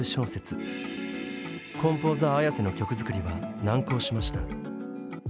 コンポーザーＡｙａｓｅの曲作りは難航しました。